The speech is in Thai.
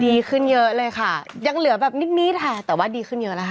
ดีขึ้นเยอะเลยค่ะยังเหลือแบบนิดนิดค่ะแต่ว่าดีขึ้นเยอะแล้วค่ะ